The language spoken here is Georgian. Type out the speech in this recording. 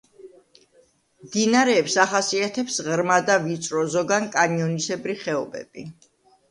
მდინარეებს ახასიათებს ღრმა და ვიწრო, ზოგან კანიონისებრი ხეობები.